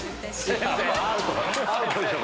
アウトでしょ